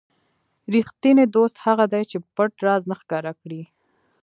ریښتینی دوست هغه دی چې پټ راز نه ښکاره کړي.